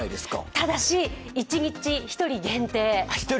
ただし、一日１人限定。